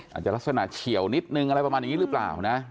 อาจจะลักษณะเฉียวนิดนึงอะไรประมาณอย่างนี้หรือเปล่านะ